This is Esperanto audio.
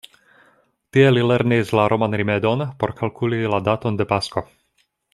Tie li lernis la roman rimedon por kalkuli la daton de Pasko.